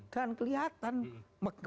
dan kelihatan megang